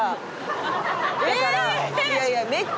「いやいやめっちゃ」